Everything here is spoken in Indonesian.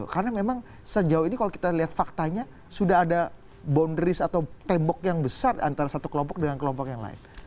karena memang sejauh ini kalau kita lihat faktanya sudah ada boundaries atau tembok yang besar antara satu kelompok dengan kelompok yang lain